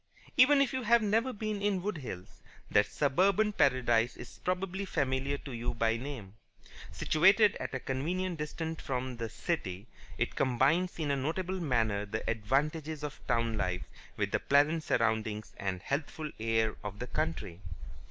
Even if you have never been in Wood Hills, that suburban paradise is probably familiar to you by name. Situated at a convenient distance from the city, it combines in a notable manner the advantages of town life with the pleasant surroundings and healthful air of the country.